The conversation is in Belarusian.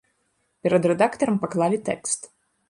Перад рэдактарам паклалі тэкст.